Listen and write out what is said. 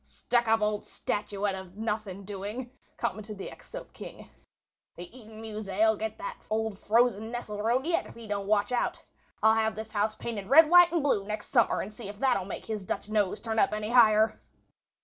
"Stuck up old statuette of nothing doing!" commented the ex Soap King. "The Eden Musee'll get that old frozen Nesselrode yet if he don't watch out. I'll have this house painted red, white, and blue next summer and see if that'll make his Dutch nose turn up any higher."